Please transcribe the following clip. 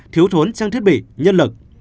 thiếu thốn trang thiết bị nhân lực